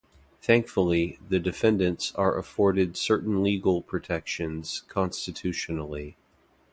Thankfully, the defendants are afforded certain legal protections constitutionally.